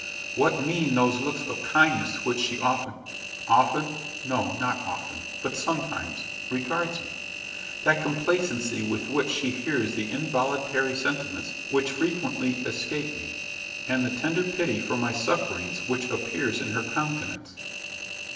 What mean those looks of kindness with which she often often? no, not often, but sometimes, regards me, that complacency with which she hears the involuntary sentiments which frequently escape me, and the tender pity for my sufferings which appears in her countenance?